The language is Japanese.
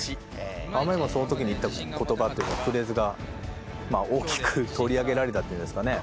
あまりにもその時に言った言葉っていうかフレーズが大きく取り上げられたっていうんですかね。